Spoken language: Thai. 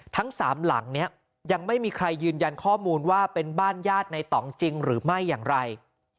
ทั้งสามหลังเนี่ยยังไม่มีใครยืนยันข้อมูลว่าเป็นบ้านญาติในต่องจริงหรือไม่อย่างไร